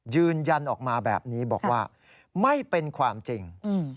ยืนยันออกมาแบบนี้บอกว่าไม่เป็นความจริง